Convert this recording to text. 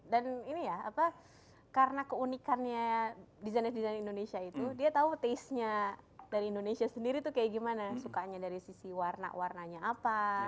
dan ini ya apa karena keunikannya design design indonesia itu dia tau tastenya dari indonesia sendiri tuh kayak gimana sukanya dari sisi warna warnanya apa